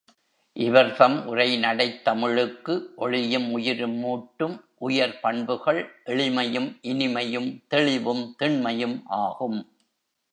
இவர்தம் உரைநடைத் தமிழுக்கு ஒளியும் உயிரும் ஊட்டும் உயர் பண்புகள் எளிமையும் இனிமையும் தெளிவும் திண்மையும் ஆகும்.